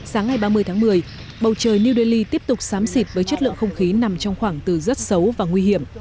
sáng ngày ba mươi tháng một mươi bầu trời new delhi tiếp tục sám xịt với chất lượng không khí nằm trong khoảng từ rất xấu và nguy hiểm